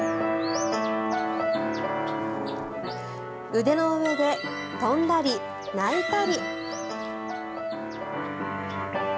腕の上で跳んだり鳴いたり。